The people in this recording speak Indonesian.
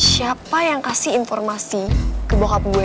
siapa yang kasih informasi ke bawah gue